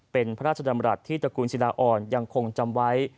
เป็นพระราชดำรัฐที่ตระกูลศิลาอ่อนยังคงจำไว้